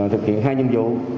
thực hiện hai nhiệm vụ